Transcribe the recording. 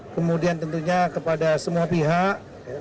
kemudian tentunya kepada semua pihak